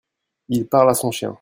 il parle à son chien.